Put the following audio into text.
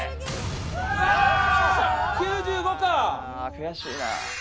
悔しいな。